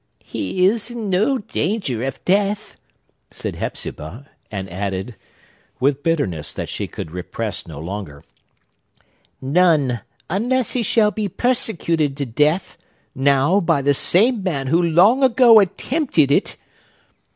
"He is in no danger of death," said Hepzibah,—and added, with bitterness that she could repress no longer, "none; unless he shall be persecuted to death, now, by the same man who long ago attempted it!"